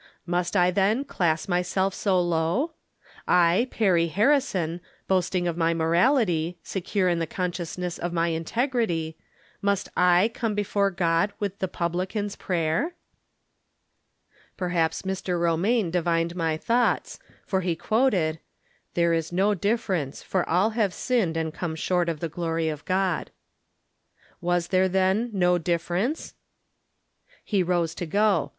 Must I, then, class myseK so low ? I, Perry Plarrison, boasting of my morality, secure in the consciousness of my integrity — must I come before God with the publican's prayer ? Perhaps Mr. Romaine divined my thoughts, for he quoted :" There is no difference, for all have sinned and come short of the glory of God." 80 From Different Standpoints. Was tliere, then, no difference ? He rose to go.